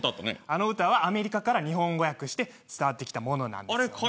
あの歌はアメリカから日本語訳して伝わってきたものなんですよね。